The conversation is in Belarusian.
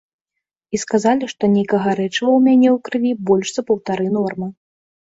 І сказалі, што нейкага рэчыва ў мяне ў крыві больш за паўтары нормы.